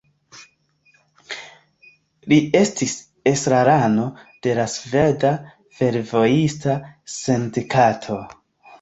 Li estis estrarano de la Sveda Fervojista Sindikato.